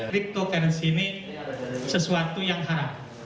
kriptokuransi ini sesuatu yang harap